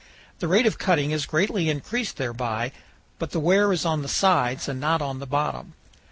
The rate of cutting is greatly increased thereby, but the wear is on the sides and not on the bottom.